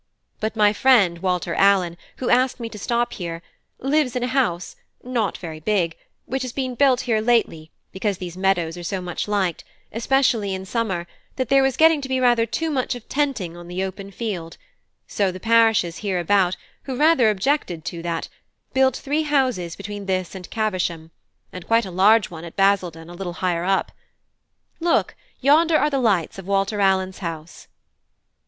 But my friend Walter Allen, who asked me to stop here, lives in a house, not very big, which has been built here lately, because these meadows are so much liked, especially in summer, that there was getting to be rather too much of tenting on the open field; so the parishes here about, who rather objected to that, built three houses between this and Caversham, and quite a large one at Basildon, a little higher up. Look, yonder are the lights of Walter Allen's house!"